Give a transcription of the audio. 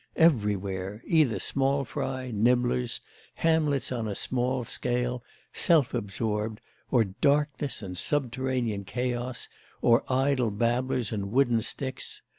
Everywhere either small fry, nibblers, Hamlets on a small scale, self absorbed, or darkness and subterranean chaos, or idle babblers and wooden sticks.